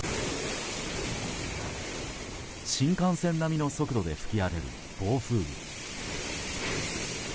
新幹線並みの速度で吹き荒れる暴風雨。